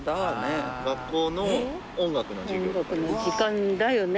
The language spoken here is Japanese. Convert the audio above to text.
音楽の時間だよね。